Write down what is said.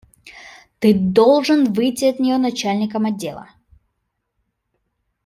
Ты должен выйти от нее начальником отдела.